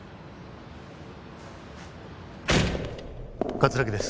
葛城です